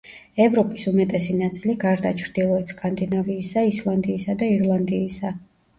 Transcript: ევროპის უმეტესი ნაწილი, გარდა ჩრდილოეთ სკანდინავიისა, ისლანდიისა და ირლანდიისა.